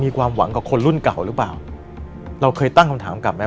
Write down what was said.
ความหวังกับคนรุ่นเก่าหรือเปล่าเราเคยตั้งคำถามกลับไหม